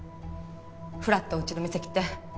ふらっとうちの店来て。